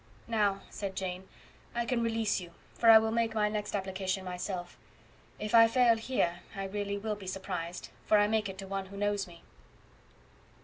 "Now," said Jane, "I can release you, for I will make my next application myself. If I fail here I really will be surprised, for I make it to one who knows me."